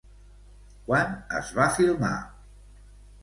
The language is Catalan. Quan es va filmar?